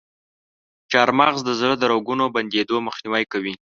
چارمغز د زړه د رګونو بندیدو مخنیوی کوي.